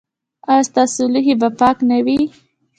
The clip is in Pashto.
ایا ستاسو لوښي به پاک نه وي؟